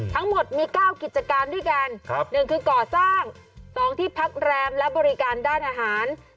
ทั้งหมดมี๙กิจการด้วยกัน๑คือก่อสร้าง๒ที่พักแรมและบริการด้านอาหาร